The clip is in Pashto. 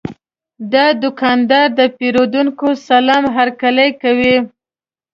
دا دوکاندار د پیرودونکو سلام هرکلی کوي.